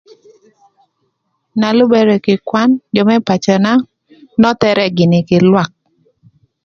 Na lübërë kï kwan jö më pacöna nöthërë gïnï kï lwak.